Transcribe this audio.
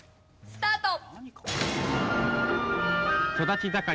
スタート！